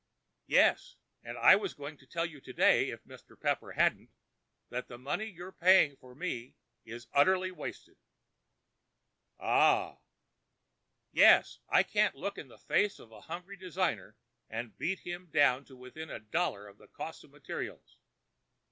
"Yes—and I was going to tell you today, if Mr. Pepper hadn't, that the money you're paying for me is utterly wasted." "Ah!" "Yes. I can't look in the face of a hungry designer and beat him down to within a dollar of the cost of materials.